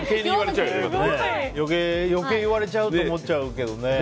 余計に言われちゃうと思っちゃうけどね。